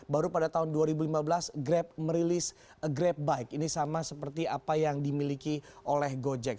dan juga pada tahun dua ribu lima belas grab merilis grab bike ini sama seperti apa yang dimiliki oleh gojek